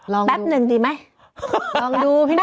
ลองดูแป๊บนึงดีไหมลองดูพี่หนุ่ม